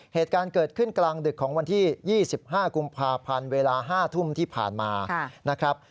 เหตุการณ์เกิดขึ้นกลางดึกของวันที่๒๕กุมภาพันธ์เวลา๕ทุ่มที่ผ่านมานะครับ